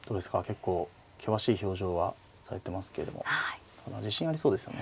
結構険しい表情はされてますけども自信ありそうですよね。